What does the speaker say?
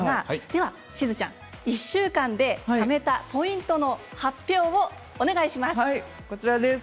では、しずちゃん１週間でためたポイントの発表をお願いします。